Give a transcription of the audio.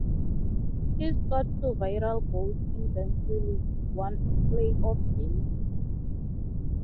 He scored two vital goals in Barnsley's League One play-off games.